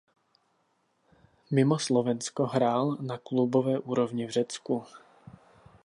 Mimo Slovensko hrál na klubové úrovni v Řecku.